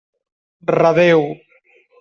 Redéu!